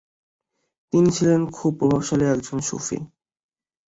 তিনি ছিলেন খুব প্রভাবশালী একজন সূফী।